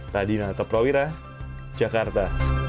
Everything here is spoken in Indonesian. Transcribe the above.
radina teprawira jakarta